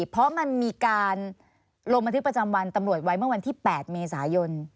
เพราะมันมีการลงบันทึกประจำวันตำรวจไว้เมื่อวันที่๘เมษายน